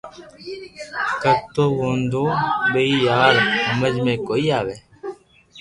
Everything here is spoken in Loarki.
ڪو تو ووندو ٻيئي يار ھمج مي ڪوئي آوي